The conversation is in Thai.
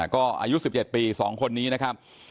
ก็อายุ๑๗ปี๒คนนี้นะครับ